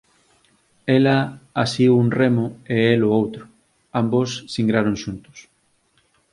Ela asiu un remo e el o outro; ambos singraron xuntos.